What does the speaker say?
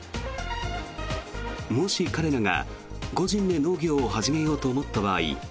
もし彼らが個人で農業を始めようと思った場合